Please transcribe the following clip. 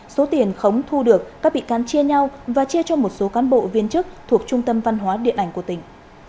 số tiền khống thu được các bị can chia nhau và chia cho một số cán bộ viên chức thuộc trung tâm văn hóa điện ảnh của tỉnh